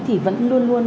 thì vẫn luôn luôn